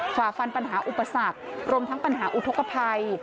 ฝ่าฟันปัญหาอุปสรรครวมทั้งปัญหาอุทธกภัย